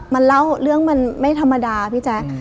มันเล่าเรื่องมันไม่ธรรมดาพี่แจ๊ค